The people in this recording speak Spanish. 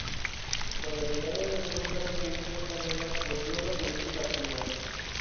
Con la llegada de la Segunda República Española volvió a la política activa.